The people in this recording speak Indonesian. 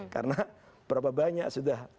karena berapa banyak sudah